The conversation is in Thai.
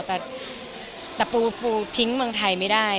แต่ปูทิ้งเมืองไทยไม่ได้